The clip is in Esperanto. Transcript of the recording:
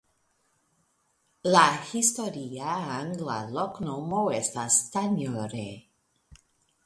La historia angla loknomo estas "Tanjore".